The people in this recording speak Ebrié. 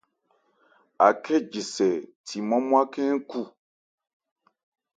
Akhɛ́ jisɛ thi nmwá-nmwá khɛ́n n khu.